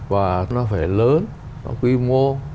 và nó phải lớn nó quy mô